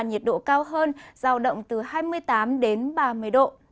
nhiệt độ cao hơn giao động từ hai mươi tám đến ba mươi độ